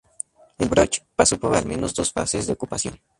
El "broch" pasó por al menos dos fases de ocupación.